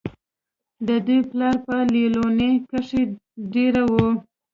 د دوي پلار پۀ ليلونۍ کښې دېره وو